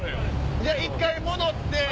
じゃあ一回戻って。